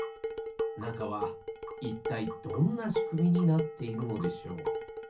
なかはいったいどんなしくみになっているのでしょう？